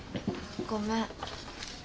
ごめん。